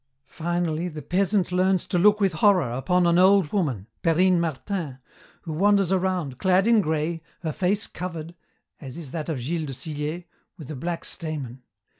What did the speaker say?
Finally, the peasant learns to look with horror upon an old woman, Perrine Martin, who wanders around, clad in grey, her face covered as is that of Gilles de Sillé with a black stamin.